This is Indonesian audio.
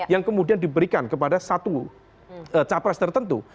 yang kemudian diberikan kepada satu capres tertentu